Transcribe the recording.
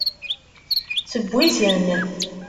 Tewwi-ten.